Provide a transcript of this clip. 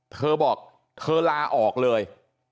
เธอบอกเธอลาออกเลย